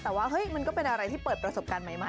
แต่ว่าเฮ้ยมันก็เป็นอะไรที่เปิดประสบการณ์ใหม่